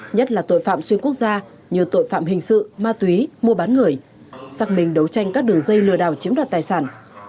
nhất là tội phạm xuyên quốc gia như tội phạm hình sự ma túy mua bán người xác minh đấu tranh các đường dây lừa đảo chiếm đoạt tài sản